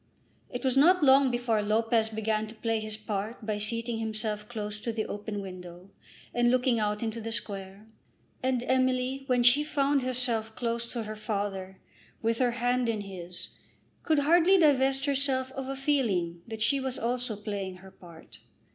It was not long before Lopez began to play his part by seating himself close to the open window and looking out into the Square; and Emily when she found herself close to her father, with her hand in his, could hardly divest herself of a feeling that she also was playing her part.